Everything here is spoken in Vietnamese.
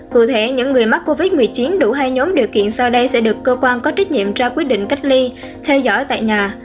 cụ thể những người mắc covid một mươi chín đủ hai nhóm điều kiện sau đây sẽ được cơ quan có trách nhiệm ra quyết định cách ly theo dõi tại nhà